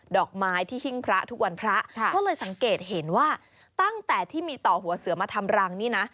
อกไม้ที่หิ้งพระทุกวันพระก็เลยสังเกตเห็นว่าตั้งแต่ที่มีต่อหัวเสือมาทำรังนี่นะ